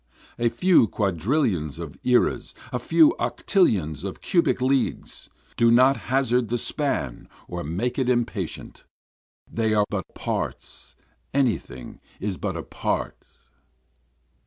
A few quadrillions of eras, a few octillions of cubic leagues, do not hazard the span or make it impatient, They are but parts, any thing is but a part.